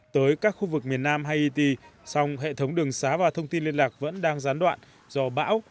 tới các khu vực miền nam hayti song hệ thống đường xá và thông tin liên lạc vẫn đang gián đoạn do bão